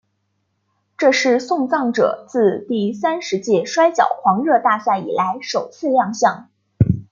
这是送葬者自第三十届摔角狂热大赛以来首次亮相。